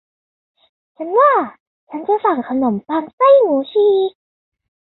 ฉันว่าฉันจะสั่งขนมปังไส้หมูฉีก